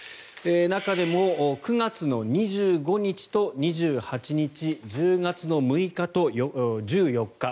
中でも、９月２５日と２８日１０月６日と１４日